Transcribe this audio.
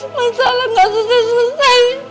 masalah gak selesai selesai